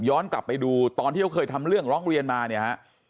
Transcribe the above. กลับไปดูตอนที่เขาเคยทำเรื่องร้องเรียนมาเนี่ยฮะ